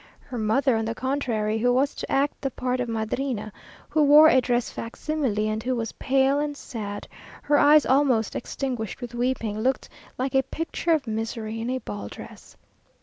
Her mother, on the contrary, who was to act the part of Madrina, who wore a dress fac simile, and who was pale and sad, her eyes almost extinguished with weeping, looked like a picture of misery in a balldress.